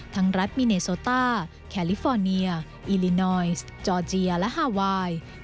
รัฐมิเนโซต้าแคลิฟอร์เนียอิลินอยซ์จอร์เจียและฮาไวน์